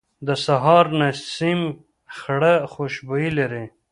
د سهار نسیم خړه خوشبويي لري